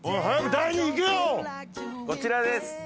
こちらです。